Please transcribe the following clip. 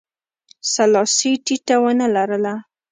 سلاسي ټیټه ونه لرله.